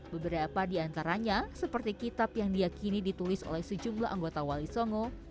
beberapa di antaranya seperti kitab yang diakini ditulis oleh sejumlah anggota wali songo